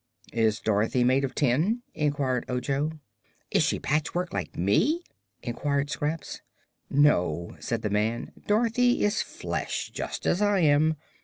"Is Dorothy made of tin?" inquired Ojo. "Is she patchwork, like me?" inquired Scraps. "No," said the man; "Dorothy is flesh, just as I am.